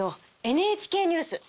「ＮＨＫニュース」。